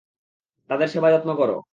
তাদের সেবাযত্ন কর।